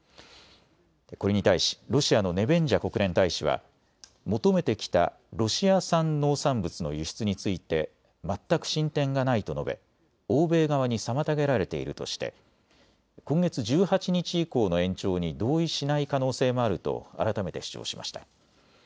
これに対しロシアのネベンジャ国連大使は求めてきたロシア産農産物の輸出について全く進展がないと述べ欧米側に妨げられているとして今月１８日以降の延長に同意しない可能性もあると改めて主張しました。